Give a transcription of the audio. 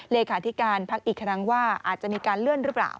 เลขาธิการพักอีกครั้งว่าอาจจะมีการเลื่อนหรือเปล่า